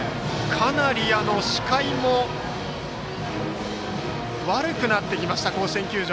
かなり視界も悪くなってきました甲子園球場。